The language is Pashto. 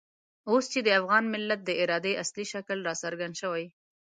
اوس چې د افغان ملت د ارادې اصلي شکل را څرګند شوی.